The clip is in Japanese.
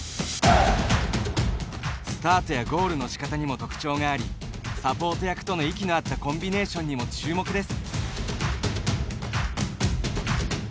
スタートやゴールのしかたにも特徴がありサポート役との息のあったコンビネーションにも注目です。